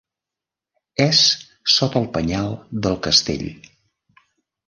És sota el penyal del castell.